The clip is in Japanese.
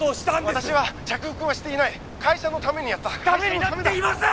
私は着服はしていない会社のためにやったためになっていません！